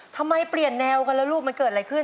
ทำไมเปลี่ยนแนวกันแล้วลูกมันเกิดอะไรขึ้น